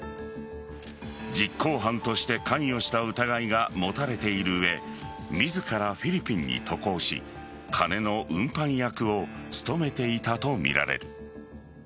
実行犯として関与した疑いが持たれている上自らフィリピンに渡航し金の運搬役を務めていたとみられる。